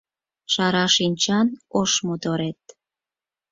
Шара шинчан ош моторет